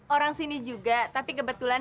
orang sini juga tapi kebetulan